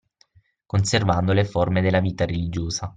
Conservando le forme della vita religiosa